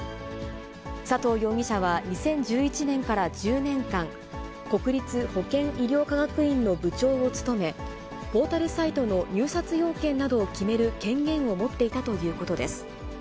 佐藤容疑者は２０１１年から１０年間、国立保健医療科学院の部長を務め、ポータルサイトの入札要件などを決める権限を持っていたということです。